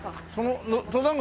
登山口